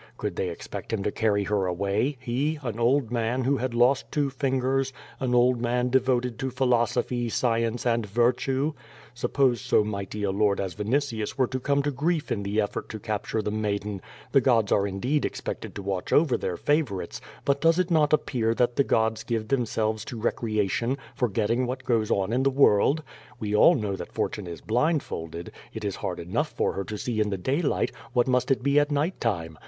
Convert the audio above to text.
Could they expect him to carry her away, he, an old man who had lost two fingers, an old man devoted to philosophy, science, and virtue? Supjxjsc* s<» mighty a lord as Vinitius were to come to grief in the effort to capture the maiden! The gods are indeed expected to watch ovi*r tlu*ir favorites, but does it not often appear that the gods give themselves up to recre I68 QVO VADIS. ation, forgetting what goes on in the world? We all know that fortune is blindfolded. It is hard enough for her to see in the daylight, what must it be at night time?